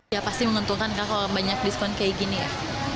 ya pasti menguntungkan kalau banyak diskon kayak gini ya